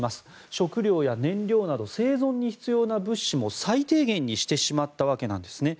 食料や燃料など生存に必要な物資も最低限にしてしまったわけなんですね。